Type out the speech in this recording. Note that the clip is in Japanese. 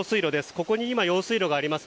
ここに用水路があります。